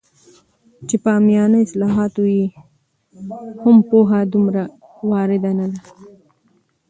چې په عامیانه اصطلاحاتو یې هم پوهه دومره وارده نه ده